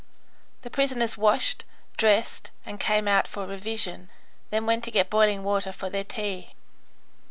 The prisoners washed, dressed, and came out for revision, then went to get boiling water for their tea.